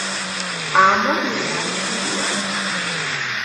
Amo nimajxilia